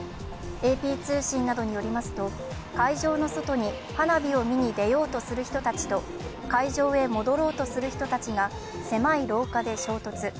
ＡＰ通信などによりますと、会場の外に花火を見に出ようとする人たちと会場へ戻ろうとする人たちが狭い廊下で衝突。